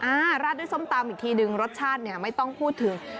ราดด้วยส้มตำอีกทีหนึ่งรสชาติเนี่ยไม่ต้องพูดถึง